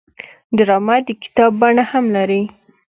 ډرامه د کتاب بڼه هم لري